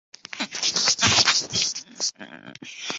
同时主机还拥有强大的容错能力。